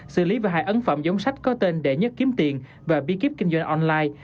xử lý và hại ấn phẩm giống sách có tên đệ nhất kiếm tiền và bi kíp kinh doanh online